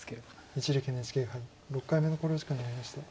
一力ＮＨＫ杯６回目の考慮時間に入りました。